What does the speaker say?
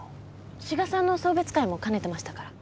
志賀さんの送別会も兼ねてましたから。